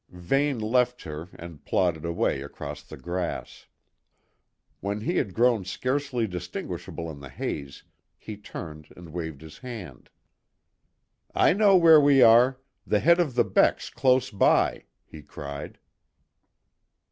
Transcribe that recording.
Vane left her, and plodded away across the grass. When he had grown scarcely distinguishable in the haze, he turned and waved his hand. "I know where we are; the head of the beck's close by," he cried.